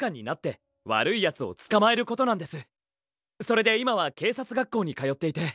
それで今は警察学校に通っていて。